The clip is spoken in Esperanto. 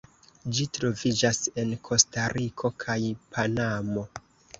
Ĝi troviĝas en Kostariko kaj Panamo.